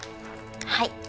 はい。